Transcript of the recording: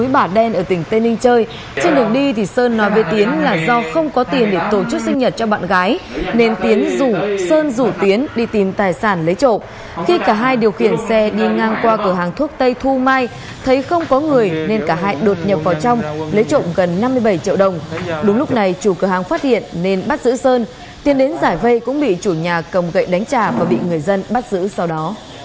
bắt hiện nên bắt giữ sơn tiến đến giải vây cũng bị chủ nhà cầm gậy đánh trà và bị người dân bắt giữ sau đó